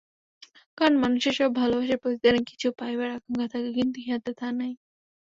কারণ মানুষের সব ভালবাসায় প্রতিদানে কিছু পাইবার আকাঙ্ক্ষা থাকে, কিন্তু ইহাতে তাহা নাই।